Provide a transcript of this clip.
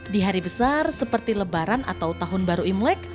di hari besar seperti lebaran atau tahun baru imlek